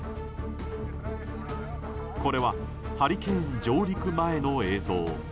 これはハリケーン上陸前の映像。